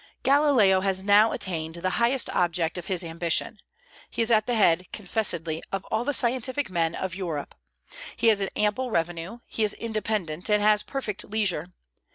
Galileo has now attained the highest object of his ambition. He is at the head, confessedly, of all the scientific men of Europe. He has an ample revenue; he is independent, and has perfect leisure.